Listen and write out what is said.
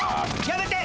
やめて！